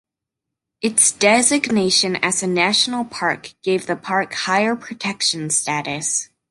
Its designation as a national park gave the park higher protection status.